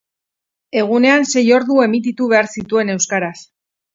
Egunean sei ordu emititu behar zituen euskaraz.